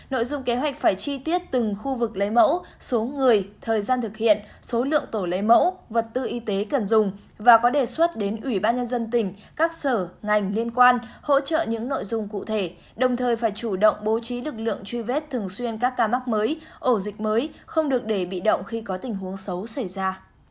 nội dung kế hoạch phải chi tiết từng khu vực lấy mẫu số người thời gian thực hiện số lượng tổ lấy mẫu vật tư y tế cần dùng và có đề xuất đến ủy ban nhân dân tỉnh các sở ngành liên quan hỗ trợ những nội dung cụ thể đồng thời phải chủ động bố trí lực lượng truy vết thường xuyên các ca mắc mới ổ dịch mới không được để bị động khi có tình huống xấu xảy ra